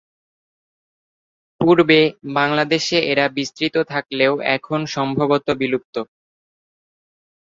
পূর্বে বাংলাদেশে এরা বিস্তৃত থাকলেও এখন সম্ভবত বিলুপ্ত।